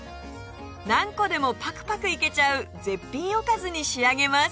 何個でもパクパクいけちゃう絶品おかずに仕上げます